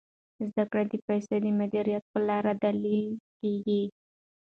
زده کړه د پیسو د مدیریت په لاره کي لیدل کیږي.